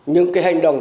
những cái hành động